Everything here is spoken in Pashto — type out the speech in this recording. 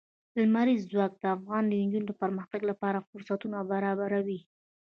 لمریز ځواک د افغان نجونو د پرمختګ لپاره فرصتونه برابروي.